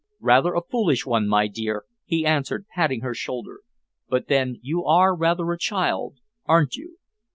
"Rather a foolish one, my dear," he answered, patting her shoulder, "but then you are rather a child, aren't you?"